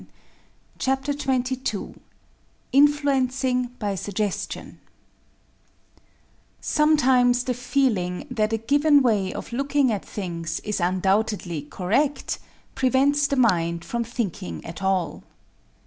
] CHAPTER XXII INFLUENCING BY SUGGESTION Sometimes the feeling that a given way of looking at things is undoubtedly correct prevents the mind from thinking at all....